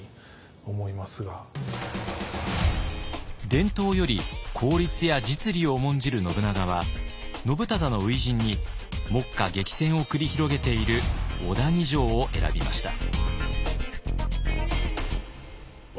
伝統より効率や実利を重んじる信長は信忠の初陣に目下激戦を繰り広げている小谷城を選びました。